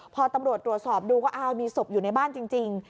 พอตำรวจตรวจสอบดูก็อ้าวมีศพอยู่ในบ้านจริง